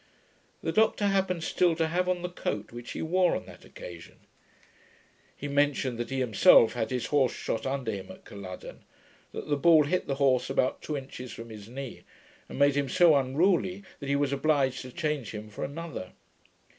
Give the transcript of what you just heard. The doctor happened still to have on the coat which he wore on that occasion. He mentioned, that he himself had his horse shot under him at Culloden; that the ball hit the horse about two inches from his knee, and made him so unruly that he was obliged to change him for another.